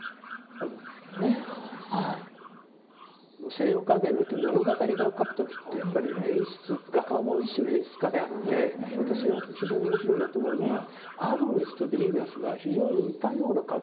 西洋絵画において物語画を描く時ってやっぱり演出画家も一種の演出家であって私が非常に面白いなと思うのはアドニスとヴィーナスが非常に似たような格好で横たわってるんですよね。